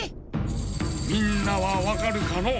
⁉みんなはわかるかのう？